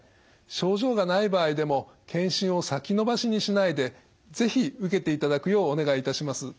症状がない場合でも検診を先延ばしにしないで是非受けていただくようお願いいたします。